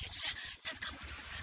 ya sudah sampai kamu cepat